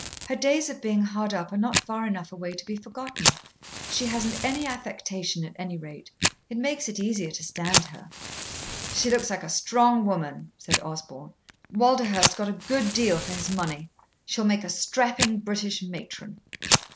"Her days of being hard up are not far enough away to be forgotten. She hasn't any affectation, at any rate. It makes it easier to stand her." "She looks like a strong woman," said Osborn. "Walderhurst got a good deal for his money. She'll make a strapping British matron."